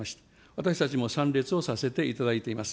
私たちも参列をさせていただいています。